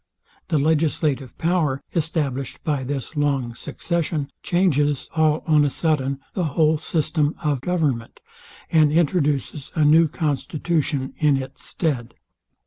The legislative power, established by this long succession, changes all on a sudden the whole system of government, and introduces a new constitution in its stead.